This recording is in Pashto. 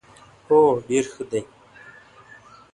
هو، ډیر ښه دي